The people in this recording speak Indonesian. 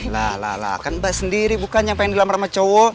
lah lah lah kan mbak sendiri bukan yang pengen dilamar sama cowok